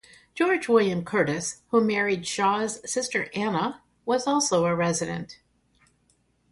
George William Curtis, who married Shaw's sister Anna, was also a resident.